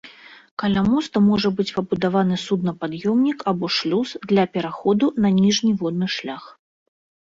Каля моста можа быць пабудаваны суднапад'ёмнік або шлюз для пераходу на ніжні водны шлях.